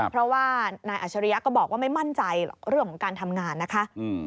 เพราะว่านายอัชริยะก็บอกว่าไม่มั่นใจเรื่องของการทำงานนะคะ